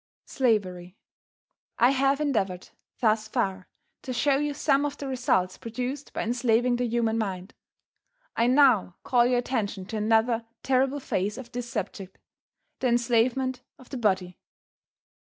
SLAVERY. I HAVE endeavored thus far to show you some of the results produced by enslaving the human mind. I now call your attention to another terrible phase of this subject; the enslavement of the body.